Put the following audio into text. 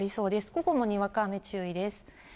午後もにわか雨注意です。